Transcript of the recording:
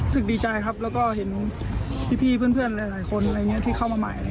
ซึ่งดีใจครับแล้วก็เห็นพี่เพื่อนหลายคนที่เข้ามาใหม่